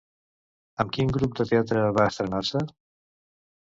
Amb quin grup de teatre va estrenar-se?